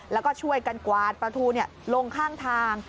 แล้วก็ช่วยกันกวาดปลาทูลงข้างทาง